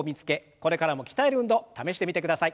これからも鍛える運動試してみてください。